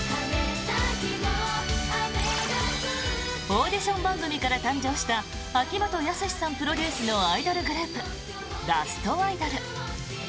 オーディション番組から誕生した秋元康さんプロデュースのアイドルグループラストアイドル。